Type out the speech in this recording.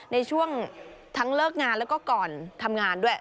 ในช่วงทั้งเลิกงานแล้วก็ก่อนทำงานด้วย